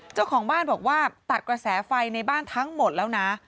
เจ้าของบ้านบอกว่าตัดกระแสไฟในบ้านทั้งหมดแล้วนะ